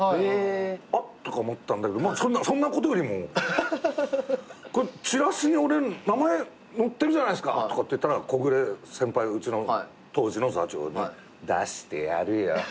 「あっ」とか思ったんだけどそんなことよりも「チラシ俺名前載ってるじゃないっすか」とかって言ったらこぐれ先輩うちの当時の座長に「出してやるよ」って。